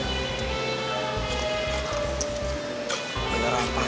aku tuh sekarang cuma sayang sama kamu aja